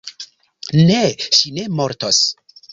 Ne, ŝi ne mortos